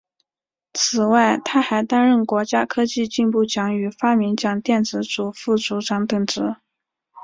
此外他还担任国家科技进步奖与发明奖电子组副组长等职。